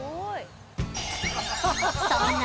そんな